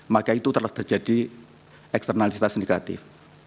maka itu telah terjadi eksternalitas negatif